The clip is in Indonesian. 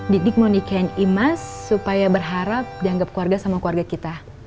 didik mau nikahin imas supaya berharap dianggap keluarga sama keluarga kita